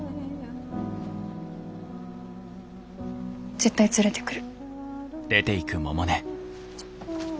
絶対連れてくる。